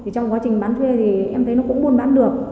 trong quá trình bán thuê thì em thấy nó cũng buôn bán được